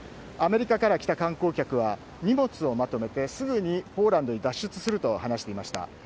アメリカから来た観光客は荷物をまとめてすぐにポーランドに脱出すると話していました。